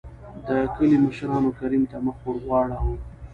دکلي مشرانو کريم ته مخ ور ور واړو .